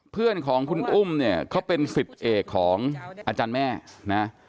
เพื่อนของคุณอุ้มเนี่ยเขาเป็นสิทธิ์เอกของอาจารย์แม่นะ